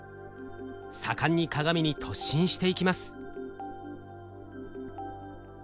盛んに鏡に突進していきます。